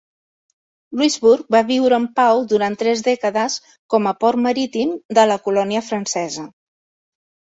Louisbourg va viure en pau durant tres dècades com a port marítim de la colònia francesa.